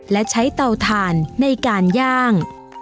และใช้เตาถ่านในการย่าง